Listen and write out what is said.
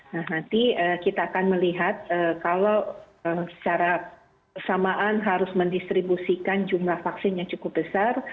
nah nanti kita akan melihat kalau secara bersamaan harus mendistribusikan jumlah vaksin yang cukup besar